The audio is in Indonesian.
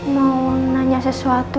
mau nanya sesuatu